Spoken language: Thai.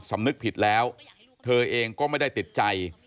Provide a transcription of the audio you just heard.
สำนึกผิดแล้วเธอเองก็ไม่ได้ติดใจ